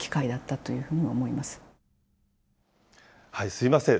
すみません。